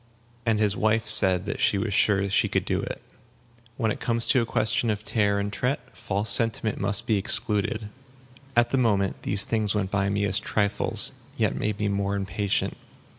And his wife said that she was sure she could do it. When it comes to a question of tare and tret, false sentiment must be excluded. At the moment, these things went by me as trifles, yet made me more impatient.